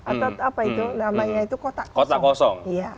atau apa itu namanya itu kotak kosong kosong